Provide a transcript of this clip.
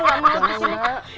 gak mau disini